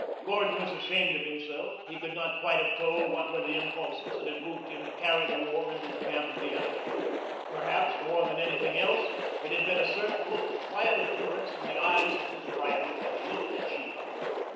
Gordon was ashamed of himself. He could not quite have told what were the impulses that had moved him to carry the war into the camp of the enemy. Perhaps, more than anything else, it had been a certain look of quiet assurance in the eyes of his rival when he looked at Sheba.